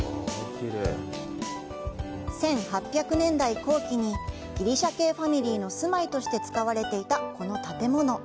１８００年代後期にギリシャ系ファミリーの住まいとして使われていたこの建物。